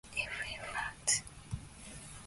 It fell flat.